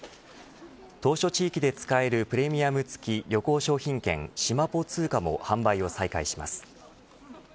島しょ地域で使えるプレミアム付き旅行商品券しまぽ通貨も販売を再開します。